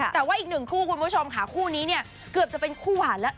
แต่ว่าอีกหนึ่งคู่คุณผู้ชมค่ะคู่นี้เนี่ยเกือบจะเป็นคู่หวานแล้ว